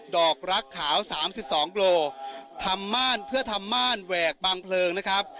อกรักขาว๓๒โลทำม่านเพื่อทำม่านแหวกบางเพลิงนะครับ